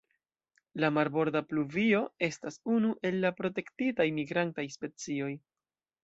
La Marborda pluvio estas unu el la protektitaj migrantaj specioj.